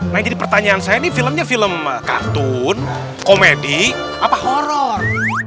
nah yang jadi pertanyaan saya ini filmnya film kartun komedi apa horror